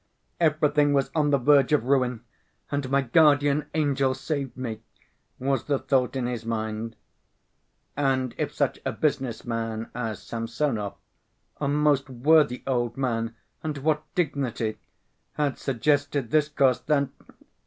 "Everything was on the verge of ruin and my guardian angel saved me," was the thought in his mind. And if such a business man as Samsonov (a most worthy old man, and what dignity!) had suggested this course, then